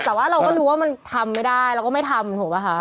แต่ว่าเราก็รู้ว่ามันทำไม่ได้เราก็ไม่ทำถูกป่ะคะ